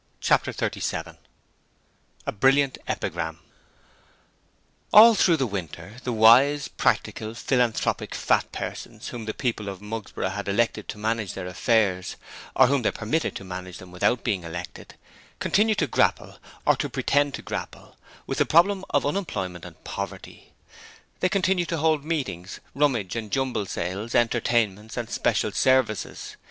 Chapter 37 A Brilliant Epigram All through the winter, the wise, practical, philanthropic, fat persons whom the people of Mugsborough had elected to manage their affairs or whom they permitted to manage them without being elected continued to grapple, or to pretend to grapple, with the 'problem' of unemployment and poverty. They continued to hold meetings, rummage and jumble sales, entertainments and special services.